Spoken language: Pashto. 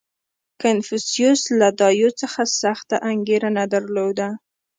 • کنفوسیوس له دایو څخه سخته انګېرنه درلوده.